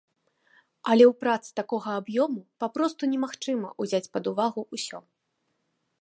Але ў працы такога аб'ёму папросту немагчыма ўзяць пад увагу ўсё.